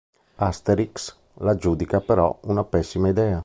Asterix la giudica però una pessima idea.